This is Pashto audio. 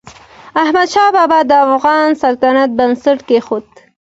احمدشاه بابا د افغان سلطنت بنسټ کېښود.